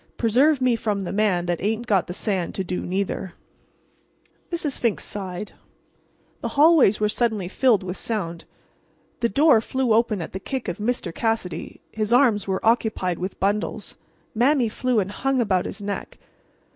Preserve me from the man that ain't got the sand to do neither!" Mrs. Fink sighed. The hallways were suddenly filled with sound. The door flew open at the kick of Mr. Cassidy. His arms were occupied with bundles. Mame flew and hung about his neck.